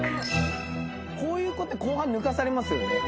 こういう子って後半抜かされますよね。